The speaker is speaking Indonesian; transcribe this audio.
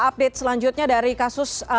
update selanjutnya dari kasus